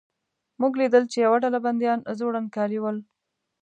موږ لیدل چې یوه ډله بندیان زوړند کالي ول.